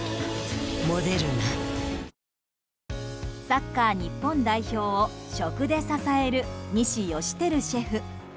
サッカー日本代表を食で支える西芳照シェフ。